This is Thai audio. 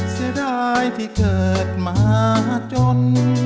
เสียดายที่เกิดมาจน